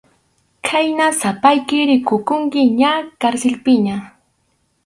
Khayna sapayki rikukunki ña karsilpiña.